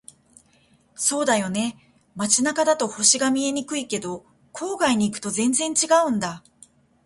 そうだよね。街中だと星が見えにくいけど、郊外に行くと全然違うんだ。